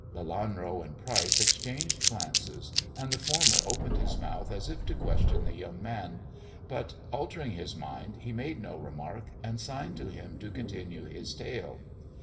Lelanro and Pryce exchanged glances, and the former opened his mouth as if to question the young man; but altering his mind, he made no remark, and signed to him to continue his tale.